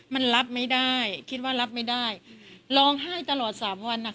มันรับไม่ได้คิดว่ารับไม่ได้ร้องไห้ตลอดสามวันนะคะ